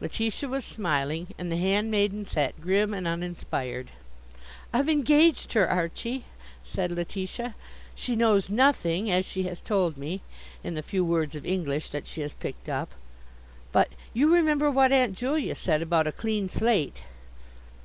Letitia was smiling and the hand maiden sat grim and uninspired. "I've engaged her, Archie," said Letitia. "She knows nothing, as she has told me in the few words of English that she has picked up, but you remember what Aunt Julia said about a clean slate."